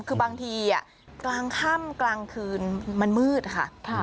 คือบางทีกลางค่ำกลางคืนมันมืดค่ะ